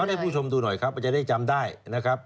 เขาให้คุณผู้ชมดูหน่อยครับเพื่อจะได้จำได้นะครับ